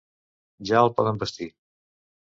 Ja el poden vestir.